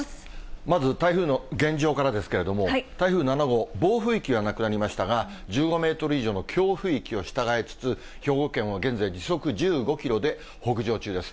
まず、台風の現状からですけれども、台風７号、暴風域はなくなりましたが、１５メートル以上の強風域を従えつつ、兵庫県を現在時速１５キロで北上中です。